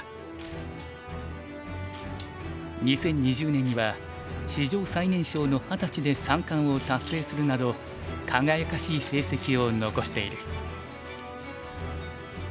２０２０年には史上最年少の二十歳で三冠を達成するなど輝かしい成績を残している。